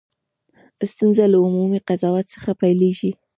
ستونزه له عمومي قضاوت څخه پیلېږي.